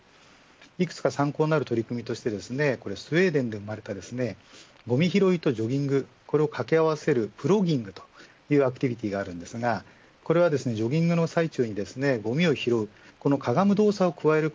いくつか参考になる取り組みとしてスウェーデンで生まれたごみ拾いとジョギング、これを掛け合わせるプロギングというアクティビティーがありますがこれはジョギングの最中にごみを拾う。